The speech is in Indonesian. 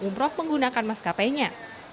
umroh menggunakan maskapainya